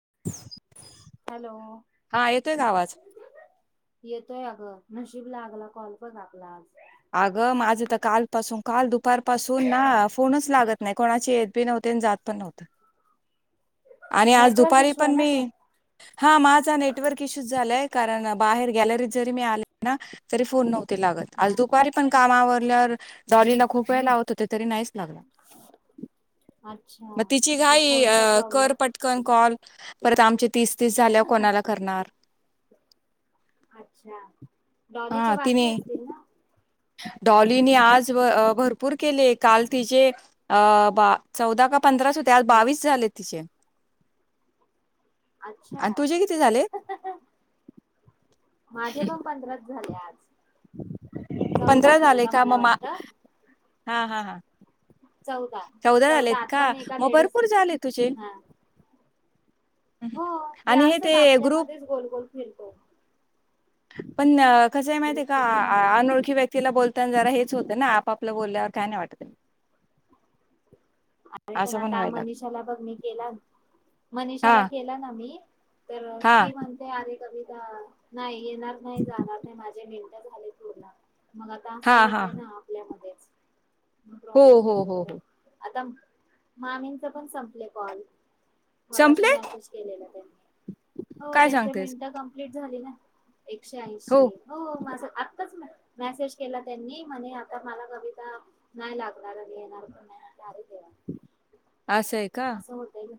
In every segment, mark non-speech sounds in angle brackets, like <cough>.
<inaudible> ह हॅलो हा येतोय का आवाज येतोय आग नशीब लागला कॉल बग आपला. अगं माझं तर कालपसून काल दुपार पासून ना फोनच लागत नाही कोणाचे येत बी नव्हते आणि जात पण नव्हते. आणि आज नेटवर्क दुपारी इश्यू आहे पण ना तो मी हा माझा नेटवर्क इशू झालाय कारण, बाहेर गॅलरीत जरी मी आले ना जरी फोन नव्ह ते लागत आल हा काम आवरल्यावर डॉलीला खूप वेळ लावत होते. तरी नाहीच लागत. मग अच्छा तिची ते घाई अ फोनचा प्रॉब्लेम कर पटकन कॉल परत आमचे तीस तीस झाल्यावर कोणाला करणार. अच्छा डॉलीचे हा तिने बाकी असतील ना डॉलीने आज व अ भरपूर केले काल तिचे अ बा चौदाका पंधराच हुते आज हा बावीस झाले तिचे. अच्छा आणि तुझे किती झाले <unintelligible> माझे पण पंधराच झाले आज ह पंधरा झाले का मला मग मा वाटतं हा हा हा. चौदा झालेत का? आता मी एका मग लेडीज भरपूर झाले तुझे. हा हम्म. हो हे आणि असच ते ग्रुप आपल्यामध्येच गोलगोल फिरतो. पण कसं आहे माहिती आहे का ग्रुपच काय म्हणते आ अनोळखी व्यक्तीला बोलताना जरा हेच होतं ना आपापला बोल्यवर काय नाय वाटत! अरे पण असं आता व्हायला लागलं मनिषाला बघ मी केला हा मनीषाला केला ना मी तर हा ती म्हणते अरे कमी ह नाही येणार नाही जाणार नाही माझे मे मग आता हा असं हा हा. होतंय ना आपल्यामध्ये म हो प्रॉब्लेम हो येतो हो हो परत. आता मामींच पण संपलं कॉल. संपले मगाशी मेसेज केलेला त्यांनी हो काय त्यांच्या सांगतेस मिनटं कंप्लीट झाली ना. एकशे ऐंशी हो माझं आत्ताच मेसेज केला त्यांनी म्हणेज आता मला कविता नाही लागणार येणार पण नाही. <inaudible> असंय का? असं होतय ना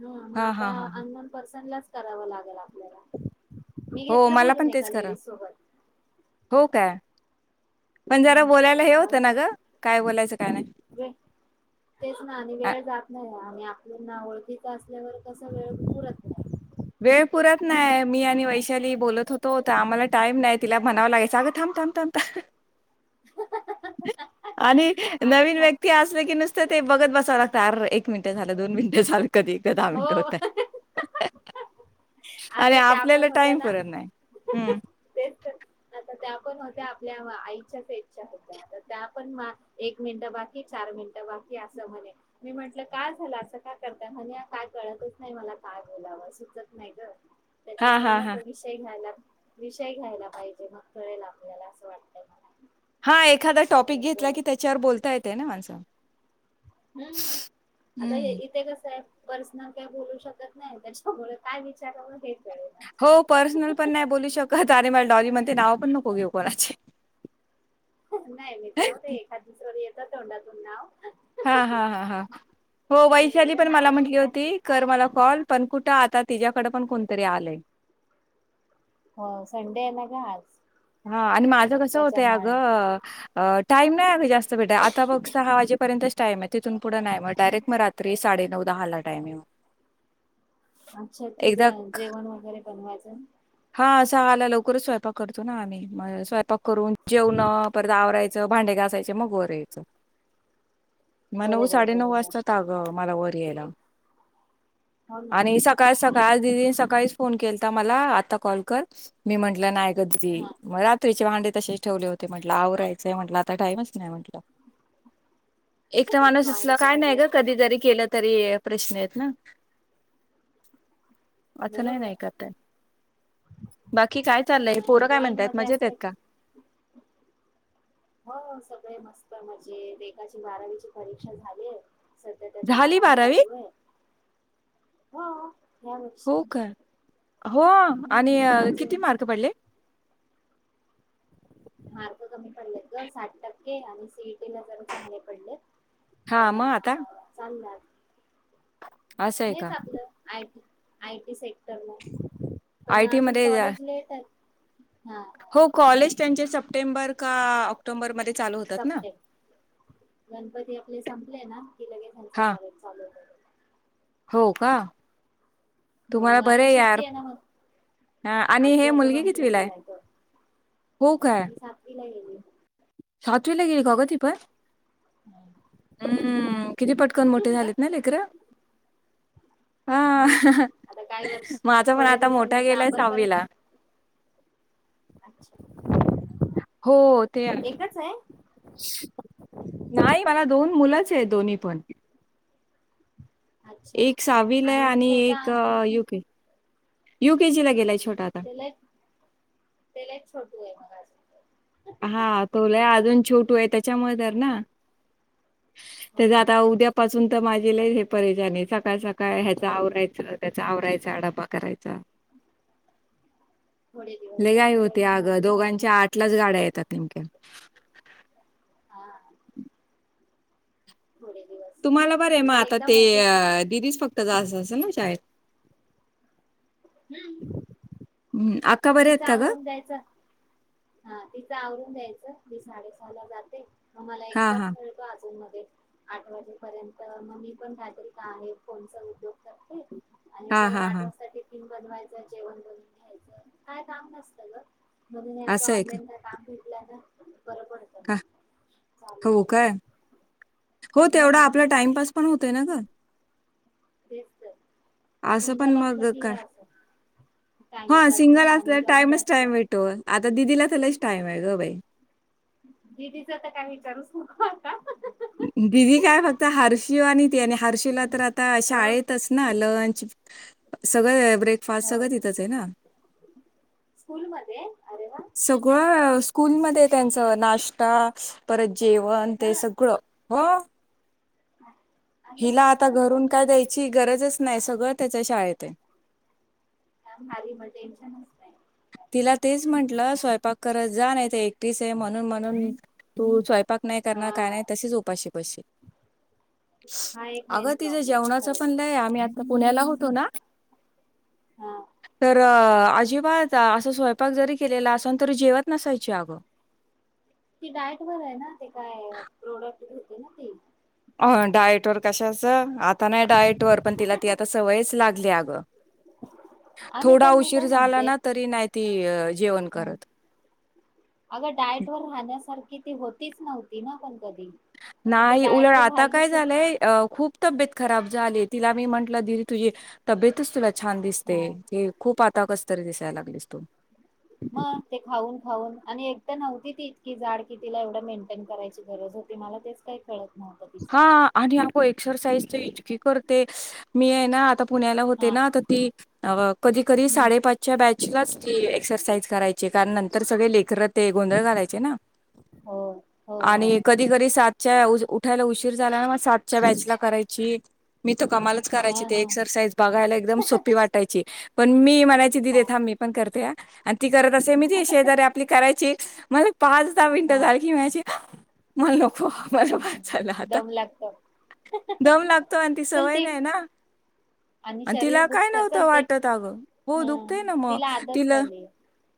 ह मग हा आता हा हा हा. अननोन पर्सन ला च करावं लागेल. आपल्याला मी हो घेतलं मला बोलून पण एका तेच करा, लेडीज सोबत हो काय पण जरा हा बोलायला हे जाऊ होतं ना ग काय बोलायचं काय नाही देत, तेच ना आणि आ, वेळ जात नाही. आणि आपल्याना ओळखी असल्या कसा वेळ पुरत नाही. वेळ पुरत नाही मी आणि वैशाली बोलत होतो, तर आम्हाला टाईम नाही तिला म्हणावं लागायचं अगं थांब थांब थांब! आणि नवीन अच्छा व्यक्ती असले की नु सते बघत बसावं लागत. अर एक मिनट झालं दोन मिनट झा कधी एकदा दहा हो मिनट होतंय. आता त्या पण होत्या ना पुरत नाही हम्म. तेच तर आता त्या पण होत्या आपल्या आईच्या पेटच्या होत्या त्या पण एक मिनिटं बाकी चार मिनिटं बाकी असं म्हणे मी म्हटलं काय झालं असं का करता म्हणे काय कळतच नाही मला काय बोलावं. नाहीग हा त्याच्यामुळे हा ना हा तो विषय घ्यायला विषय घ्यायला पाहिजे मग कळेल आपल्याला असं वाटतय मला! हा त्याच्यावर बोलत ते ना माणस हम्म आता हे इथे कस आहे? पर्सनल काही बोलू शकत नाही त्याच्यामूल काय विचारावं हे कळत हो पर्सनल पण नाही बोलू शकत अरे मला डॉरी म्हणते नाव पण नको घेऊ कोणाचे! नाही मी जाऊ दे एखाद दुसरं हे होतं तोंडातलं नाव हा, हा, हा, हा, हो वैशाली एवढ्या पण मला नावाचं म्हटली काय होती कर मला कॉल, पण कुठं आता तिझ्याकडे पण कोणतरी आलंय. हो संडे आहे ना ग आज. हा आणि माझं कसं होतंय त्याच्यामुळे अगं टाईम नाही आहे कां जास्त भेटत आता बघ सहा वाजेपर्यंतच टाइम आहे. तिथून पुढं नाही, मग डायरेक्ट रात्री साडे नऊ दहाला टाईम आहे मग. अच्छा तुझ एकदा जेवण वगैरे बनवायचं ना हा सहाला लवकरच स्वयंपाक करत ना आम्ही मग स्वयपाक करून जेवणं परत आवराय- च भांडे घासायचे मग वर यायचं. मग नऊ बरोबर साडेनऊ बरोबर वाजता आगं मला वर यायला. हो ना आणि सकाळ सका- काल दिदी सकाळीच फोन केलता मला आत्ता कॉल कर मी म्हटलं नाय. दीदी हा मग रात्रीचे भांडे- तसेच ठेवले होते, म्हटलं आवरायचंय म्हटलं आता टाईमच नाही म्हटलं. एकटं माणूस असल जॉईंट काय नाय फॅमिली ग, असते कधी की जरी केलं तरी प्रश्न आहेत ना. अस नाही बरोबर ना करता येत. बाकी काय चाललंय? नाही पोरं नाही काय जॉईंट म्हणतायेत, मध्ये मजेत आहेत असते का? की हो सगळे मस्त मजेत. एकाची बारावीची परीक्षा झालीये. सध्या त्याचा झाली आराम बारावी चालू आहे. हो. या हो वर्षी. का हो. आणि हम्म किती अजून मार्क पडले? मार्क कमी पडलेत गं साठ टक्के आणि सी ई तिला जरा चांगले पडलेत. हा पण मग आता चांग- असं आहे हेच का आपलं आय टी आय टी सेक्ट- क्टरला, पण आयटी अजून मध्ये कॉलेज लेट आहे. हा हो कॉलेज त्यांचे सप्टेंबर का ऑक्टोबरमध्ये- संपते गणपती आपले संपले ना कि लगेच ह्यांच हा कॉलेज चालू होते. हो का. हो तुम्हाला मग आता बरे यार सुट्टी आहे ना, हा मग आणि हे मुलगी आजी-आजोबां कडे कितवीला आहे? गेलाय तो, हो काय ती सातवीला गेली. सातवीला गेली का ग ती पण? हम्म हम्म. किती पटकन मोठे झालेत न लेकरं? हा मग आता काही वर्ष माझा पण थोड्या दिवसांनी मोठा आता गेलाय आपण परत - सहावीला. अच्छा. हो ते आ एकच आहे नाही मला दोन मुलंच आहे दोन्ही पण अच्छा एक सहावीला आहे मग आणि छोटा एक युके यु केजी ला गेलाय छोटा आता. त्याला एक त्याला एक छोट हा तो लय अजून छोटू आहे त्याच्यामुळे तर ना हो तेज ना आता उद्यापासून तर माझ हे लय परेशानी सकाळ सकाळ ह्याच आवरायच त्याचा आवरायचा डबा करायचा थोडे दिवस लय का घाई मुलं होते एकदा अगं मोठी झाली ना दोघांच्या आठ लाच गाड्या आहेत क हा <inaudible> थोडे दिवस तुम्हाला बरं आहे मग नंतर आता एकदा ते मोठे दिदीच फक्त जात असलं ना शाळेत हम्म हम् अक्का बरे आहेत का ग हा तिथं आवरून द्यायचं मी साडेसहा ला जाते मला एक हां, तास हां. मिळतो अजून मग आठ वाजेपर्यंत मग मी पण कायतरी का आहे फोनचा उपयोग करते आणि हां, परत हां, आठ हां. वाजता टिफिन बनवायच जेवण बनून घ्यायच काय काम नसत ग ऑनलाईन असं आहे काम ना बरं पडतं का मग चालू हो राहते काय हो तेवढा हम्म आपला टाइमपास पण होतय ना गं. तेच तर असं पण सिंगल मग असलं की का हे असं टाइम हा जात सिंगल नाही आणि असल्या जॉईंट टाइमच असलं टाइम भेटो आता दिदीला तर त्या लईच टाइम आहे ग बाई. दिदीचं तर काही करूच नको आता. दिदी काय फक्त हर्षू आणि त्याने हर्षिला तर आता हो शाळेतच ना लंच सगळं ब्रेकफास्ट हो सगळं तिथच आहे ना. स्कूलमध्ये अरे वा सगळं स्कूलमध्ये त्यांच नाश्ता परत जेवण ते हा सगळं. हो. आणि हिला मस्त आता ग घरून काय द्यायची गरजच नाही सगळं त्याच्या शाळेत आहे. का हारी मग टेन्शनच नाही. तिला तेच म्हटलं स्वयंपाक करत जा नाही, तर एकटीस आहे म्हणून म्हणून तू स्वय पाक नाही करणार काय हा नाही तशीच उपाशी बसशील हा एक अग मेन ति प्रॉब्लेम आहे जेवणाच पण खरंच नाही आम्ही आ पुण्याला होतो ना हा तर अजिबात असं स्वयंपाक जरी केलेला असल तरी जेवत नसेल. जागो ती डायट वर आहे ना ते काय प्रोडक्ट घेते ना ती अ डाएट वर कशा असं आता नाही डायट वर पण तिला ती आता सवयच लाग ले आग आणि थोडा पण मी उशीर काय झाला म्हणते ना तरी नाही ती जेवण करत. किती होतीच नव्हती ना पण कधी मग ते नाही डायट उलट वर आता काय राहिलीच झालंय खूप तब्येत खराब झाले तिला मी म्हटलं दिदि तुझी तब्येतच तुला छान दिसते हा ते खूप आता कस तरी दिसायला लागलीस तू. मग ते खाऊन खाऊन आणि एक तर नव्हती ती इतकी जाड कितीला एवढं मेंटेन करायची गरज होती मला तेच काय हा आणि अगो एक्सरसाइज तर इतकी करते. मी आहे ना आता पुण्याला होते हा ना तर ती कधी कधी हम्म साडेपाचच्या बॅचलाच ती एक्सरसाइज करायची कारण न तर सगळ लेकर ते गोंधळ घालायचे ना हो हो हो आणि कधी कधी सात च्या वुज उठ उठायला उशीर झाला ना मग सातच्या बयाचला करायची मी त कमालच हा करायची ते हा एक्सरसाईज बघायला, एकदम सोपी वाटायची. पण मी मा म्हणायचे दिदे हा थांब मी पण करते. आणि ती करत असे मी तिज्या शेजारी आपली करायची. मला पाच दहा मिनट हा झाली की म्हणायची मणलो <inaudible> चला आता दम लागतो दम लागतो आणि ती चल सवय ते नाही, ना आणि शरीर तिला काय दुखत चल नव्हतं ते वाटत अगं हो ह दुखतय ना मग आदत तिला. झाली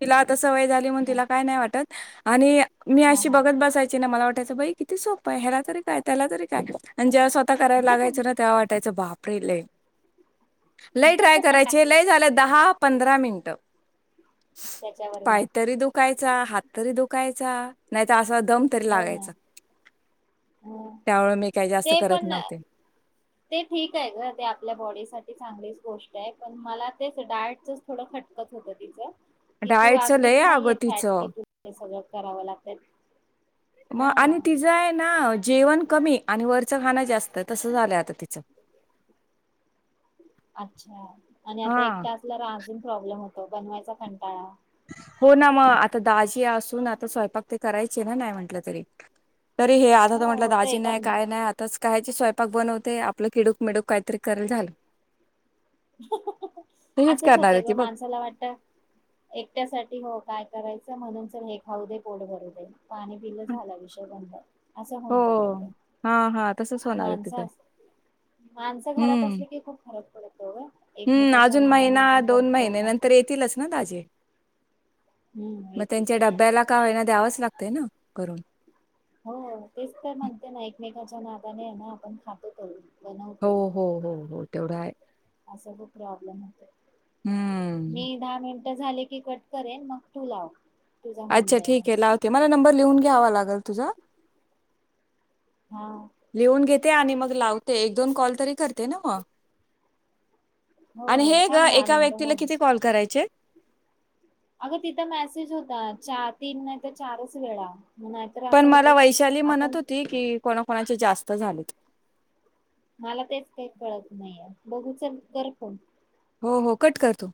तिला आताच सवय झाली म्हणून ह तिला काय नाही वाटत. आणि मी हा अशी हा बघत बसायची ना मला वाट त्याच बाई किती सोप आहे ह्याला तरी काय त्याला तरी काय जे्हा तेव्हा करायला लागयचं ना तेव वाटायचं बाप अडेले लय ट्राय करायचे लय झालं दहा. पंधरा मिनटं. त्याच्यावर नाही काहीतरी दुखाय च्या हात तरी दुकायचा नाही त अस. दम तरी हो ना लागायचा. त्यामुळे मी काही जास्त ते करत पण नव्हते ते ठीक आहे ग ते आपल्या बॉडी साठी चांग गोष्ट आहे पण मला तेच डाएटच थोडं खटकत होतं तिचं. कि तू डाएटच अगदीच लय अगं नाहीये फॅट तिचं कि तू हे सगळं कराव लागत हा मग आणि तिचं आहे ना जेवण कमी आणि वरचं खाणं जास्त आहे, तसं झालंय आता तिचं. अच्छा आणि आता हा एकटा असल्या वर अजून. प्रॉब्लेम होतो बनवायचा कंटाळा. हो ना मग आता दाजी असून, आता स्वयंपाक ते करायचे ना नाही म्हटलं तरी. तरी हे आता तर हो म्हटलं होत दाजी एका नाही काय नाही आताच. <inaudible> स्वयंपाक बनवते आपलं खिडूक मिडूक काहीतरी करेल झालं तशीच असंच करणार आहे होतं ग ती बघ माणसाला वाटत एक त्यासाठीठी हो काय करायचं म्हणून च हे खाऊ दे पोट भरू दे पाणी पिलं झाला विषय बंद असं होऊन हो जात मग हां, हां तसंच होणार आहे तिथं माणसं घरात असली की खूप खरब हम्म अजून महिना दोन करतो महिन खातो नंतर येतीलच ना ताजे हम्म मग येते त्यांच्या डब्याला का होयना द्यावाच लागत ते ना करून हो तेच तर म्हणते <inaudible> एकमेकांच्या नादानेना आपण खातो करू. हो हो हो हो तेवढा आहे. असं खूप प्रॉब्लेम होतो. हं, मी दहा मिन ट झाले की कट करेल, मग तू लाव तुझा होऊन अच्छा जाईन एक ठीक आहे कॉल लावते, मला नंबर लिहून घ्यावा लागल तुझा हा लिहून घेत ते आणि मग लावते, एक दोन कॉल तरी करते ना मग हो आणि हो हे ग थांब दहा एका मिनिटं हो व्यक्तीला हो किती कॉल करायचे? अगं तिथं मेसेज होता चा, तीन नाही तर चारच वेळा. मग नाहीतर पण असं होतंय मला की वैशाली आपण म्हणत होती की कोणाकणाच्या जास् स्त झालेत. मला तेच काही कळत नाहीये, बघू चल कर फोन तू. हो हो कट करतो.